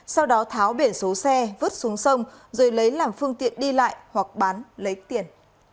sau đó tháo biển số xe vứt xuống sông rồi lấy làm phương tiện đi lại hoặc bán lấy tiền